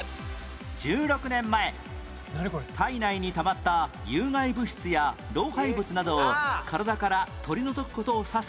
１６年前体内にたまった有害物質や老廃物などを体から取り除く事を指す